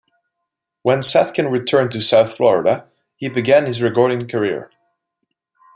When Sadkin returned to South Florida he began his recording career.